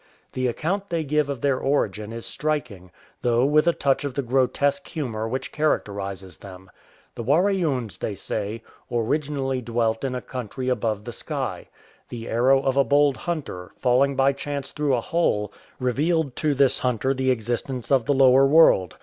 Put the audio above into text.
The account they give of their origin is striking — though with a touch of the grotesque humour which characterizes them. The Waraoons, they say, originally dwelt in a country above the sky. The aiTow of a bold hunter, falling by chance through a hole, revealed to this hunter the existence of the lower world.